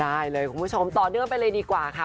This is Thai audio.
ได้เลยคุณผู้ชมต่อเนื่องไปเลยดีกว่าค่ะ